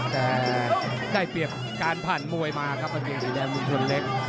แต่ได้เปรียบการผ่านมวยมาครับอาจจะเป็นส่วนเล็ก